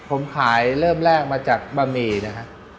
ผมขายเริ่มแรกมาจากบะหมี่นะครับ